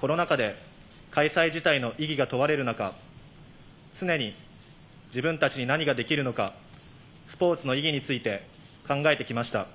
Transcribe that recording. コロナ禍で、開催自体の意義が問われる中、常に自分たちに何ができるのか、スポーツの意義について考えてきました。